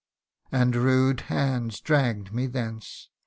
And rude hands dragg'd me thence.